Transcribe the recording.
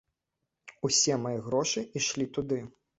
Усе мае грошы ішлі туды.